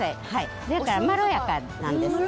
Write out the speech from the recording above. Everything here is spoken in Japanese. だからまろやかなんです。